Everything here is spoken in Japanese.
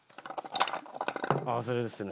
ああそれですね。